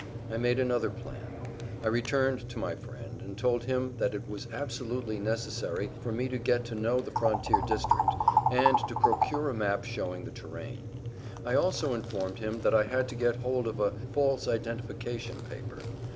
I made another plan. I returned to my friend and told him that it was absolutely necessary for me to get to know the frontier district and to procure a map showing the terrain. I also informed[Pg 184] him that I had to get hold of a false identification paper.